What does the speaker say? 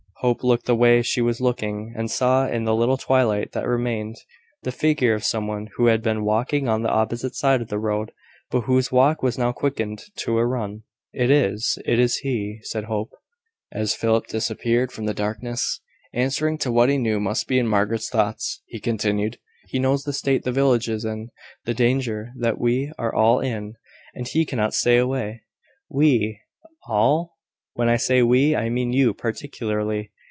Hope looked the way she was looking, and saw, in the little twilight that remained, the figure of some one who had been walking on the opposite side of the road, but whose walk was now quickened to a run. "It is it is he," said Hope, as Philip disappeared in the darkness. Answering to what he knew must be in Margaret's thoughts, he continued "He knows the state the village is in the danger that we are all in, and he cannot stay away." "`We!' `All?'" "When I say `we,' I mean you particularly."